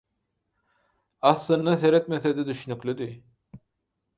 Aslynda seretmese-de düşnüklidi.